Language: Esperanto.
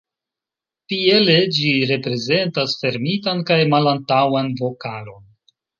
Tiele ĝi reprezentas fermitan kaj malantaŭan vokalon.